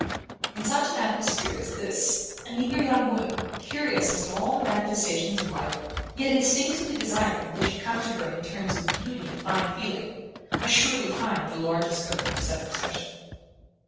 In such an atmosphere as his an eager young woman, curious as to all the manifestations of life, yet instinctively desiring that they should come to her in terms of beauty and fine feeling, must surely find the largest scope for self expression.